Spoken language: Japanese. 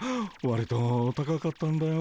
わりと高かったんだよ。